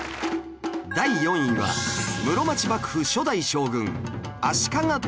第４位は室町幕府初代将軍足利尊氏